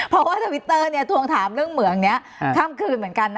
เพราะว่าทวิตเตอร์ทวงถามเรื่องเหมืองนี้ข้ามคืนเหมือนกันนะ